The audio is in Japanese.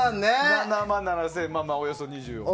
７万７０００円とおよそ２４万。